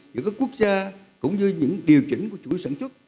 giữa các quốc gia cũng như những điều chỉnh của chuỗi sản xuất